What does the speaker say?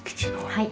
はい。